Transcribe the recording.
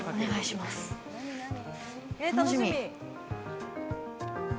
楽しみ。